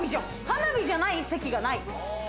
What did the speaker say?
花火じゃない席がない。